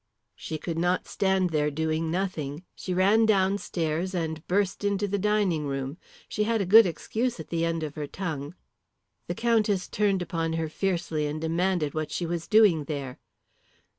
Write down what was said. She could not stand there doing nothing. She ran downstairs and burst into the dining room. She had a good excuse at the end of her tongue. The Countess turned upon her fiercely and demanded what she was doing there.